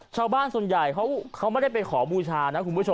ชาวบ้านส่วนใหญ่เขาไม่ได้ไปขอบูชานะคุณผู้ชม